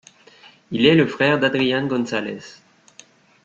Il est le frère d'Adrian Gonzalez.